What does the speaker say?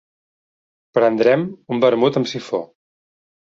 Prendrem un vermut amb sifó.